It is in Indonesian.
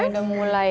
oh udah mulai